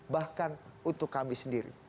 bahkan untuk kami sendiri